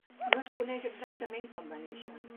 No es coneix exactament quan va néixer.